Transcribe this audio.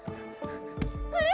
あれ？